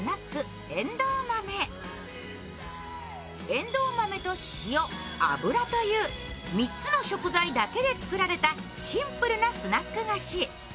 えんどう豆と塩、油という３つの食材だけで作られたシンプルなスナック菓子。